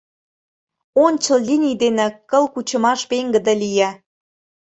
Ончыл линий дене кыл кучымаш пеҥгыде лие.